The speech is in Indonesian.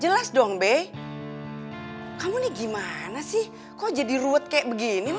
semua karena tuduhannya reva jelas dong be kamu nih gimana sih kok jadi ruwet kayak begini